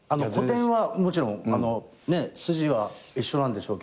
もちろん筋は一緒なんでしょうけど。